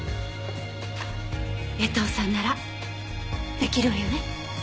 江藤さんなら出来るわよね？